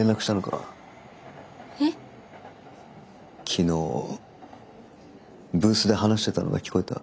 昨日ブースで話してたのが聞こえた。